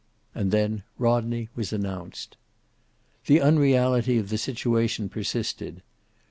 And then Rodney was announced. The unreality of the situation persisted.